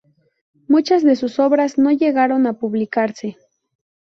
Muchas de sus obras no llegaron a publicarse.